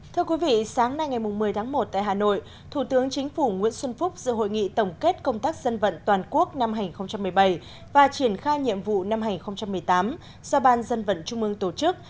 thưa quý vị sáng nay ngày một mươi tháng một tại hà nội thủ tướng chính phủ nguyễn xuân phúc dự hội nghị tổng kết công tác dân vận toàn quốc năm hai nghìn một mươi bảy và triển khai nhiệm vụ năm hai nghìn một mươi tám do ban dân vận trung ương tổ chức